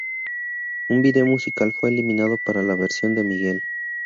Un video musical fue filmado para la versión de Miguel.